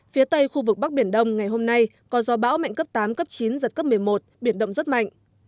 phía tây khu vực bắc biển đông ngày hôm nay có gió bão mạnh cấp tám cấp chín giật cấp một mươi một biển động rất mạnh